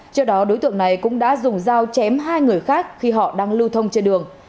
trước đó đối tượng này cũng đã dùng dao chém hai người khác khi họ đang lưu thông trên đường